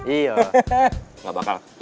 iya gak bakal